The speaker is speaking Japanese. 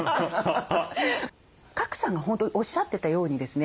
賀来さんが本当おっしゃってたようにですね